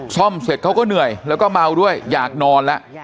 ซ่อมเสร็จเขาก็เหนื่อยแล้วก็เมาด้วยอยากนอนแล้ว